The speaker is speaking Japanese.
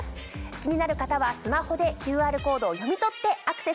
気になる方はスマホでＱＲコードを読み取ってアクセスしてみてください。